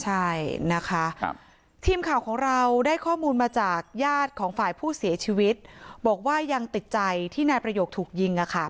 ใช่นะคะทีมข่าวของเราได้ข้อมูลมาจากญาติของฝ่ายผู้เสียชีวิตบอกว่ายังติดใจที่นายประโยคถูกยิง